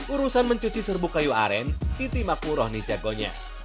urusan mencuci serbu kayu aren siti makmuroh nijagonya